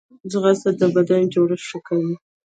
ځغاسته د بدني جوړښت ښه کوي